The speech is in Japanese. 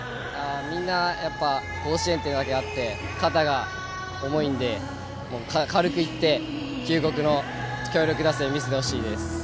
みんな甲子園というだけあって肩が重いので、軽く行って九国の強力打線を見せてほしいです。